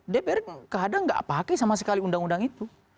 dpr kadang nggak pakai sama sekali undang undang itu